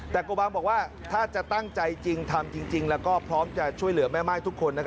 แต่โกบังบอกว่าถ้าจะตั้งใจจริงทำจริงแล้วก็พร้อมจะช่วยเหลือแม่ม่ายทุกคน